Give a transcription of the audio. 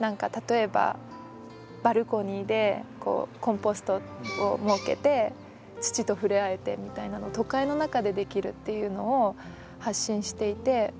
何か例えばバルコニーでコンポストを設けて土と触れ合えてみたいなのを都会の中でできるっていうのを発信していて。